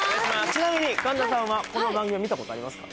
ちなみに神田さんはこの番組は見たことありますか？